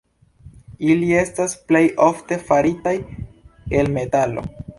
Ili estas plej ofte faritaj el metalo.